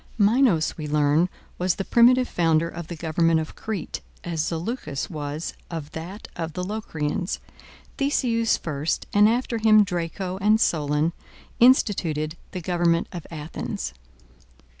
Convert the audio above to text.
Minos, we learn, was the primitive founder of the government of Crete, as Zaleucus was of that of the Locrians. Theseus first, and after him Draco and Solon, instituted the government of Athens.